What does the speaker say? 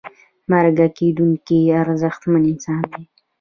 مرکه کېدونکی ارزښتمن انسان دی.